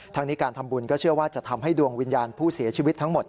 ทั้งนี้การทำบุญก็เชื่อว่าจะทำให้ดวงวิญญาณผู้เสียชีวิตทั้งหมด